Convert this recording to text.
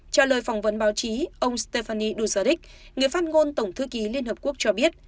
trả lời phỏng vấn báo chí ông stefany duzaric người phát ngôn tổng thư ký liên hợp quốc cho biết